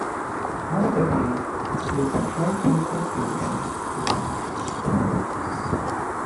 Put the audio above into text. After him, this tripartite division became standard.